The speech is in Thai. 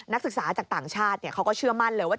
นักศึกษาจากต่างชาติเขาก็เชื่อมั่นเลยว่า